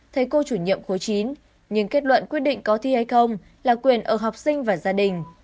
thầy cô chủ nhiệm khối chín nhưng kết luận quyết định có thi hay không là quyền ở học sinh và gia đình